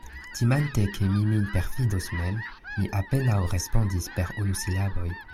Timante, ke mi min perfidos mem, mi apenaŭ respondis per unusilaboj.